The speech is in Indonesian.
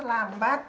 ini loh mbak